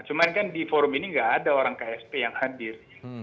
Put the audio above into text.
cuman kan di forum ini nggak ada orang ksp yang hadir